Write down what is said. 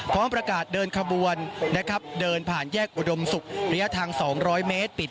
พร้อมประกาศเดินขบวนนะครับเดินผ่านแยกอุดมศุกร์ระยะทาง๒๐๐เมตรปิด